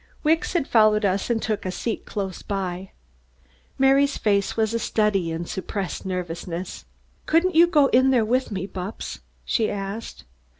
Wicks had followed us and took a seat close by. Mary's face was a study in suppressed nervousness. "Couldn't you go in there with me, Bupps?" she asked.